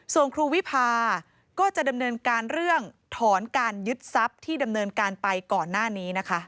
ส่วนครูวิพาก็จะดำเนินการเรื่องถอนการยึดทรัพย์ที่ดำเนินการไปก่อนหน้านี้นะคะ